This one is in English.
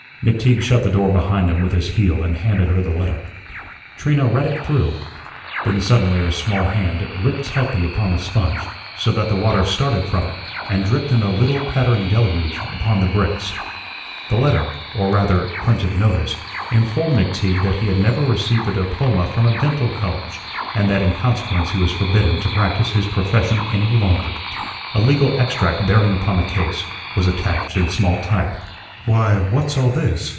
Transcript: McTeague shut the door behind him with his heel and handed her the letter. Trina read it through. Then suddenly her small hand gripped tightly upon the sponge, so that the water started from it and dripped in a little pattering deluge upon the bricks. The letter or rather printed notice informed McTeague that he had never received a diploma from a dental college, and that in consequence he was forbidden to practise his profession any longer. A legal extract bearing upon the case was attached in small type. "Why, what's all this?"